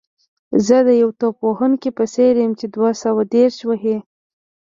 زه د یو توپ وهونکي په څېر یم چې دوه سوه دېرش وهي.